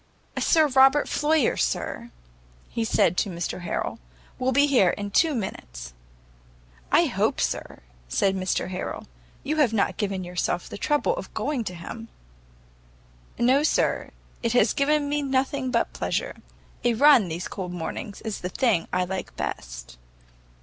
"Sir Robert Floyer, sir," said he to Mr Harrel, "will be here in two minutes." "I hope, sir," said Mr Harrel, "you have not given yourself the trouble of going to him?" "No, sir, it has given me nothing but pleasure; a run these cold mornings is the thing I like best."